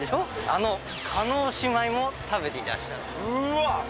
あの叶姉妹も食べていらっしゃるうわ！